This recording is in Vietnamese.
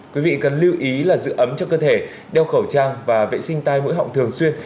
quý vị cần lưu ý là giữ ấm cho cơ thể đeo khẩu trang và vệ sinh tai mũi họng thường xuyên